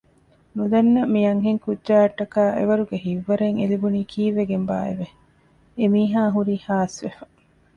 ނުދަންނަ މިއަންހެން ކުއްޖާއަށްޓަކައި އެވަރުގެ ހިތްވަރެއް އެލިބުނީ ކީއްވެގެންބާއެވެ؟ އެމީހާ ހުރީ ހާސްވެފަ